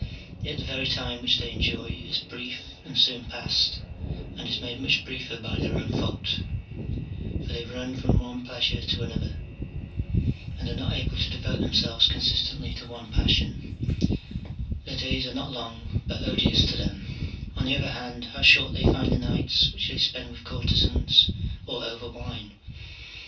Yet the very time which they enjoy is brief and soon past, and is made much briefer by their own fault : for they tun from one pleasure to another, and are not able to devote CH, XVII.] OF THE SHORTNESS OF LIFE. 313 themselves consistently to one passion : their days are not long, but odious to them : on the other hand, how short they find the nights which they spend with courtezans or over wine